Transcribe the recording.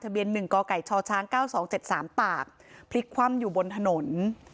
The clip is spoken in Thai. เบียน๑กไก่ชช๙๒๗๓ตากพลิกคว่ำอยู่บนถนน